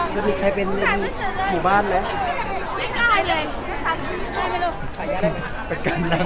ช่วยดีใครเป็นหุ่นบ้านเลย